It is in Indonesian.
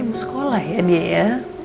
oh ya mau sekolah ya dia ya